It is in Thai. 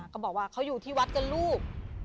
เขาบอกว่าเขาอยู่ที่วัดกันลูก